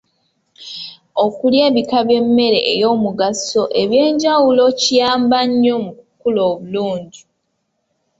Okulya bika by'emmere ey'omugaso eby'enjawulo kiyamba nnyo mu kukula obulungi.